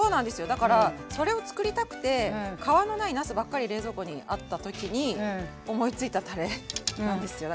だからそれを作りたくて皮のないなすばっかり冷蔵庫にあった時に思いついたたれなんですよ。